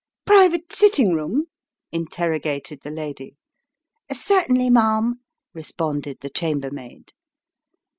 Private sitting room ?" interrogated the lady. " Certainly, ma'am," responded the chamber maid.